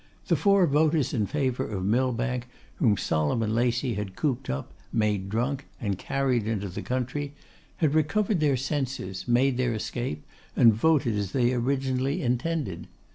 The four voters in favour of Millbank, whom Solomon Lacey had cooped up, made drunk, and carried into the country, had recovered iheir senses, made their escape, and voted as they originally intended.